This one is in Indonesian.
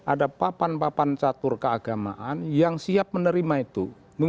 ada papan papan catur keagamaan yang siap menerima itu